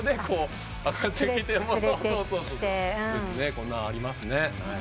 こんなんありますね。